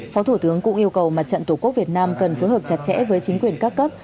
phó thủ tướng cũng yêu cầu mặt trận tổ quốc việt nam cần phối hợp chặt chẽ với chính quyền các cấp